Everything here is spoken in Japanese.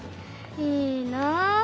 いいなあ。